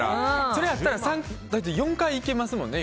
それやったら４回いけますもんね